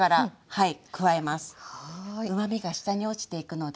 はい。